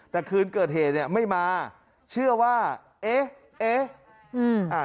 แต่คืนเกิดเหตุไม่มาเชื่อว่าเอ๊ะเอ๊ะ